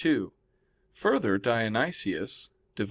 2: Further, Dionysius (Div.